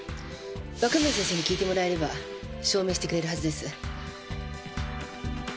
若村先生に聞いてもらえれば証明してくれるはずです。